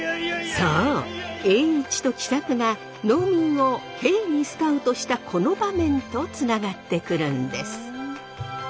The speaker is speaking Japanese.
そう栄一と喜作が農民を兵にスカウトしたこの場面とつながってくるんです。